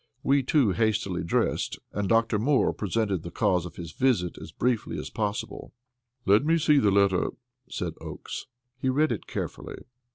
We two hastily dressed, and Dr. Moore presented the cause of his visit as briefly as possible. "Let me see the letter," said Oakes. He read it carefully.